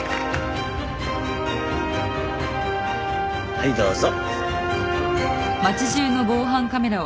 はいどうぞ。